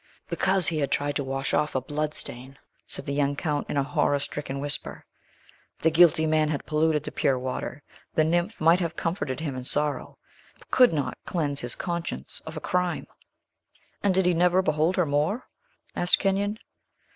"Because he had tried to wash off a bloodstain!" said the young Count, in a horror stricken whisper. "The guilty man had polluted the pure water. The nymph might have comforted him in sorrow, but could not cleanse his conscience of a crime." "And did he never behold her more?" asked Kenyon.